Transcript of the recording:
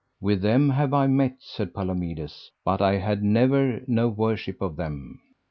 With them have I met, said Palomides, but I had never no worship of them.